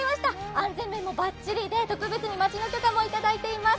安全面もバッチリで、特別に町の許可もいただいています。